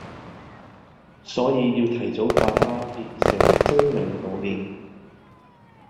所以要提早把他練成精明老練